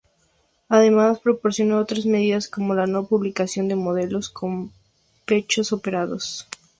Además propició otras medidas como la no-publicación de modelos con pechos operados.